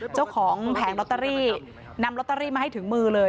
แผงลอตเตอรี่นำลอตเตอรี่มาให้ถึงมือเลย